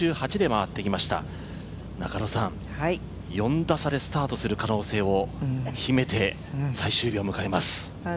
６８で回ってきました、４打差でスタートする可能性を秘めて最終日を迎えます。